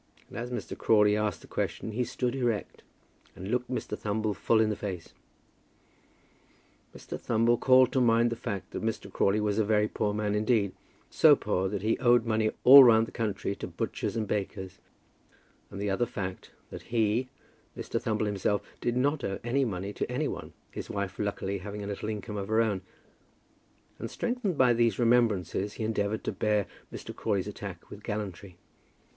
And as Mr. Crawley asked the question he stood erect, and looked Mr. Thumble full in the face. Mr. Thumble called to mind the fact, that Mr. Crawley was a very poor man indeed, so poor that he owed money all round the country to butchers and bakers, and the other fact, that he, Mr. Thumble himself, did not owe any money to any one, his wife luckily having a little income of her own; and, strengthened by these remembrances, he endeavoured to bear Mr. Crawley's attack with gallantry.